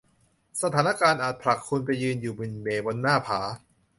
สถานการณ์อาจผลักคุณไปยืนอยู่หมิ่นเหม่บนหน้าผา